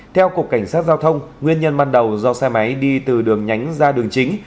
theo cục cảnh sát giao thông nguyên nhân ban đầu do xe máy đi từ đường nhánh ra đường chính